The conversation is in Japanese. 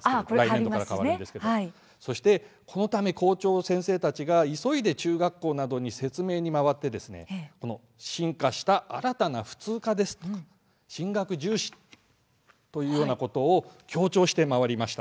このため校長先生たちが急いで中学校などに説明に回って「シン化した新たな普通科」「進学重視」ということを強調して回りました。